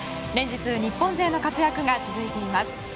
連日、日本勢の活躍が続いています。